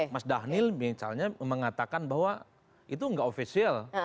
mas dhanil misalnya mengatakan bahwa itu nggak ofisial